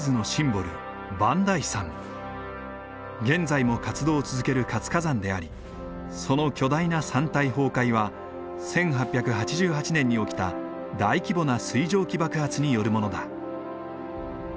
現在も活動を続ける活火山でありその巨大な山体崩壊は１８８８年に起きた大規模な水蒸気爆発によるものだ。